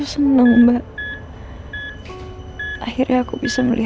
kenapa aku kerja sama bu tonsi terus ini sih